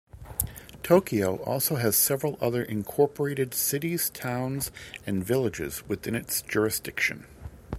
Tokyo also has several other incorporated cities, towns and villages within its jurisdiction.